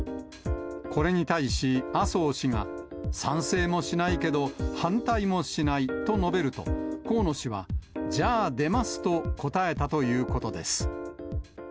これに対し、麻生氏が、賛成もしないけど反対もしないと述べると、河野氏は、じゃあ出ますと答えたということです。